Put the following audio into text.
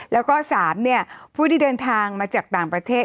แล้วก็๓ผู้ที่เดินทางมาจากต่างประเทศ